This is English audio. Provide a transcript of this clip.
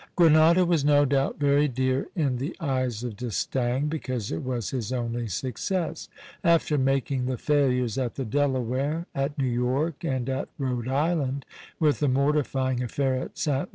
Grenada was no doubt very dear in the eyes of D'Estaing, because it was his only success. After making the failures at the Delaware, at New York, and at Rhode Island, with the mortifying affair at Sta.